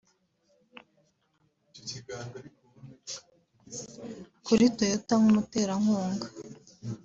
Kuri Toyota nk’umuterankunga